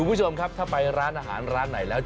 คุณผู้ชมครับถ้าไปร้านอาหารร้านไหนแล้ว